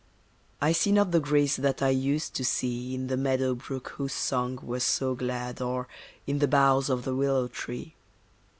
I see not the grace that I used to see In the meadow brook whose song was so glad, or In the boughs of the willow tree.